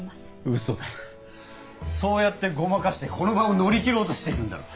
ウソだそうやってごまかしてこの場を乗り切ろうとしているんだろ。